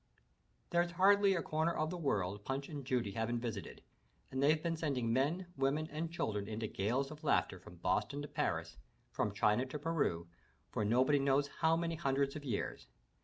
There's hardly a comer of the world Punch and Judy haven't visited, and they've been sending men, women and children into gales of laughter from Boston to Paris, from China to Peru, for nobody knows how many hundreds of years.